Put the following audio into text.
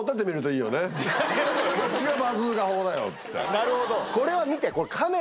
なるほど！